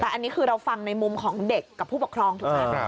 แต่อันนี้คือเราฟังในมุมของเด็กกับผู้ปกครองถูกไหม